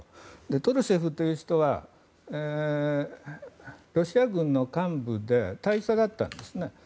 トロシェフという人はロシア軍の幹部で大佐だったんですね。